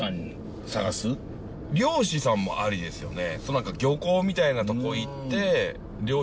漁師さんもありですよね。